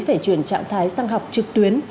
phải chuyển trạng thái sang học trực tuyến